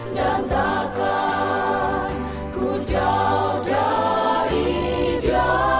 dan takkan ku jauh dari dia